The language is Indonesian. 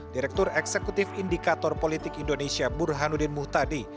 direktur eksekutif indikator politik indonesia burhanuddin muhtadi